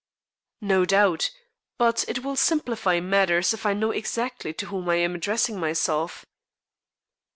"No doubt. But it will simplify matters if I know exactly to whom I am addressing myself."